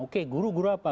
oke guru guru apa